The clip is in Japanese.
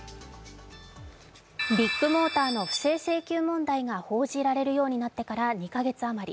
ビッグモーターの不正請求問題が報じられるようになってから２か月余り。